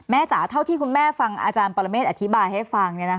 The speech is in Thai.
จ๋าเท่าที่คุณแม่ฟังอาจารย์ปรเมฆอธิบายให้ฟัง